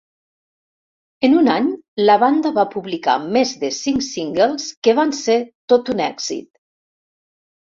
En un any, la banda va publicar més de cinc singles que van ser tot un èxit.